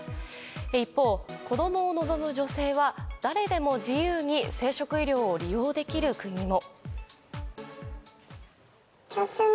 一方、子供を望む女性は誰でも自由に生殖医療を利用できる国も。